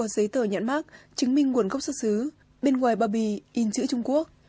đoán mắc chứng minh nguồn gốc xuất xứ bên ngoài bà bì in chữ trung quốc